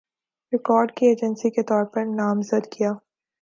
record کی agency کے طور پر نامزد کِیا